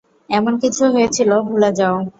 এমন কিছু হয়েছিল ভুলে যাও।